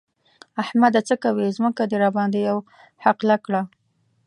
احمده! څه کوې؛ ځمکه دې راباندې يوه حقله کړه.